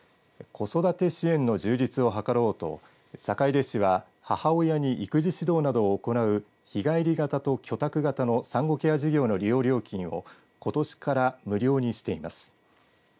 子育て支援の充実を図ろうと坂出市は母親に育児指導などを行う日帰り型と居宅型の産後ケア事業の利用料金をことしから無料にしています。